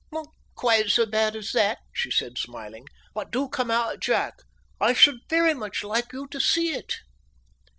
"Not quite so bad as that," she said, smiling. "But do come out, Jack. I should very much like you to see it."